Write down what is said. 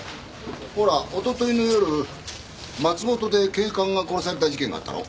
ほらおとといの夜松本で警官が殺された事件があったろ？